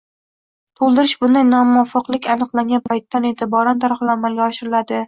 to‘ldirish bunday nomuvofiqlik aniqlangan paytdan e’tiboran darhol amalga oshiriladi.